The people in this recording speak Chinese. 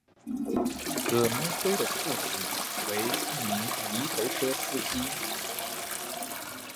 葛民辉的父亲为一名泥头车司机。